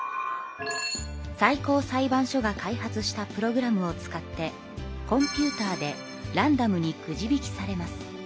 最高裁判所が開発したプログラムを使ってコンピューターでランダムにくじ引きされます。